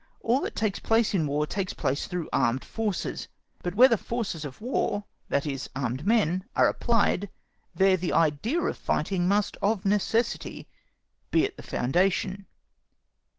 All that takes place in War takes place through armed forces, but where the forces of War, i.e., armed men, are applied, there the idea of fighting must of necessity be at the foundation.